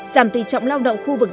giảm tỷ trọng lao động khu vực